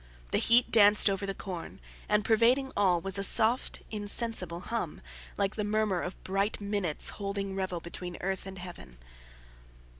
The heat danced over the corn, and, pervading all, was a soft, insensible hum, like the murmur of bright minutes holding revel between earth and heaven.